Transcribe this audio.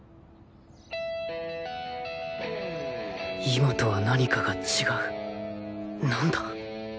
今とは何かが違う何だ？